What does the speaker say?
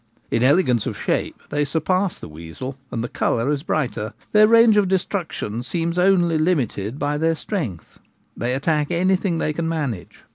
In elegance of shape they surpass the weasel, and the colour is brighter. Their range of destruction seems only limited by their strength : they attack anything they can manage.